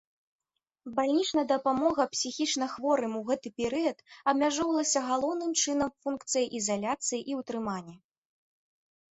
Бальнічная дапамога псіхічнахворым у гэты перыяд абмяжоўвалася галоўным чынам функцыяй ізаляцыі і ўтрымання.